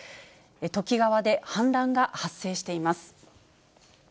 土岐川で氾濫が発生しています。